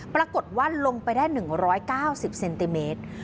ปรากฏว่าลงไปได้๑๙๐เซนติเมตร